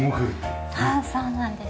はいそうなんです。